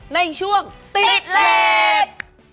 ในช่วงติดเรย์